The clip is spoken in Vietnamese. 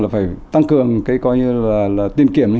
là phải tăng cường cái coi như là tiền kiểm